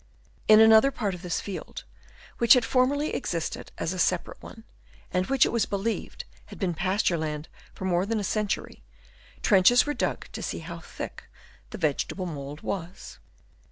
In another part of this field, which had formerly existed as a separate one, and which it was believed had been pasture land for more than a century, trenches were dug to see how thick the vegetable mould was.